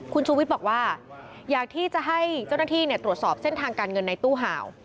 คุณชูวิทย์บอกว่าอยากที่จะให้เจ้าหน้าที่ตรวจสอบเส้นทางการเงินในตู้ห่าว